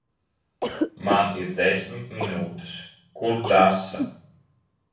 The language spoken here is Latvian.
Man ir desmit minūtes. Kur desa?